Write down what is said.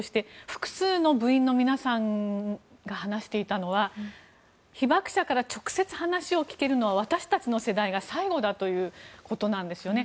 複数の部員の皆さんが話していたのは被爆者から直接話を聞けるのは私たちの世代が最後だということなんですよね。